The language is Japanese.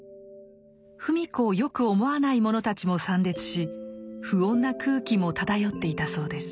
芙美子をよく思わない者たちも参列し不穏な空気も漂っていたそうです。